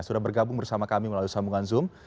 sudah bergabung bersama kami melalui sambungan zoom